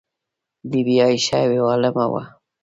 بی بي عایشه یوه عالمه وه.